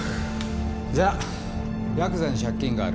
じゃあヤクザに借金がある？